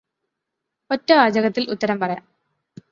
ഒറ്റ വാചകത്തിൽ ഉത്തരം പറയാം.